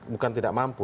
bukan tidak mampu